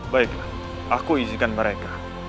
baiklah aku izinkan mereka